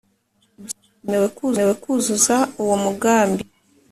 byaremewe kuzuza uwo mugambi,